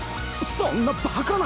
そんなバカな！